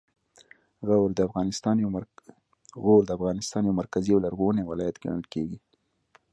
غور د افغانستان یو مرکزي او لرغونی ولایت ګڼل کیږي